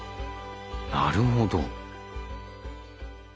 なるほど。